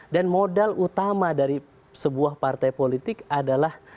dan modal utama dari sebuah partai politik adalah